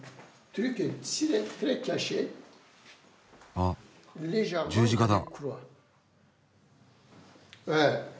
あっ十字架だ。